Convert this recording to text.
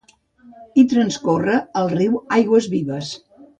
Hi transcorre el riu Aguasvivas.